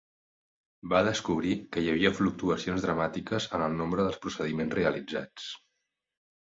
Va descobrir que hi havia fluctuacions dramàtiques en el nombre de procediments realitzats.